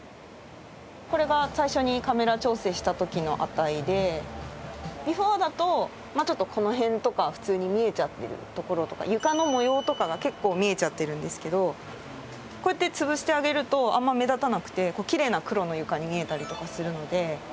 これが最初にカメラ調整した時の値でビフォーだとちょっとこの辺とか普通に見えちゃってるところとか床の模様とかが結構見えちゃってるんですけどこうやって潰してあげるとあんま目立たなくてきれいな黒の床に見えたりとかするので。